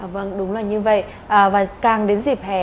vâng đúng là như vậy và càng đến dịp hè